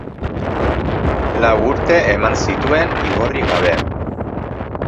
Lau urte eman zituen igorri gabe.